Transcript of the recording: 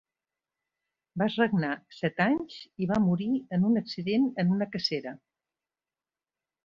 Vas regnar set anys i va morir en un accident en una cacera.